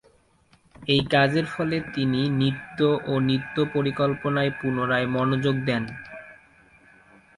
এই কাজের ফলে তিনি নৃত্য ও নৃত্যপরিকল্পনায় পুনরায় মনোযোগ দেন।